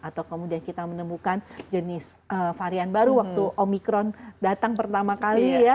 atau kemudian kita menemukan jenis varian baru waktu omikron datang pertama kali ya